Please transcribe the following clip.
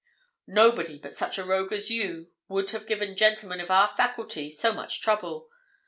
_Nobody but such a rogue as you would have given gentlemen of our faculty so much trouble.